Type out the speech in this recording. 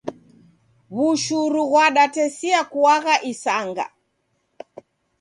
W'ushuru ghwadatesia kuagha isanga.